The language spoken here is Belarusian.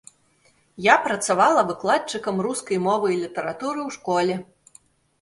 Я працавала выкладчыкам рускай мовы і літаратуры ў школе.